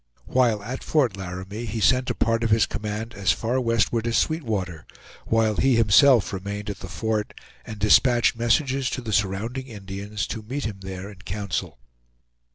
While at Fort Larantie, he sent a part of his command as far westward as Sweetwater, while he himself remained at the fort, and dispatched messages to the surrounding Indians to meet him there in council.